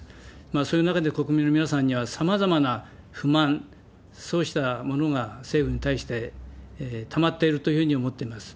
そういう中で国民の皆さんにはさまざまな不満、そうしたものが政府に対してたまっているというふうに思ってます。